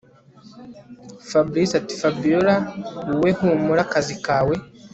Fabric atiFabiora wowe humura akazi kawe